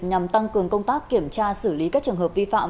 nhằm tăng cường công tác kiểm tra xử lý các trường hợp vi phạm